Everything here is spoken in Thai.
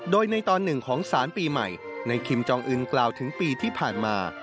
โดยในตอนหนึ่งของสารปีใหม่ในคิมจองอื่นกล่าวถึงปีที่ผ่านมา